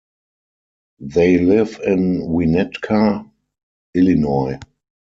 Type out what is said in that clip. They live in Winnetka, Illinois.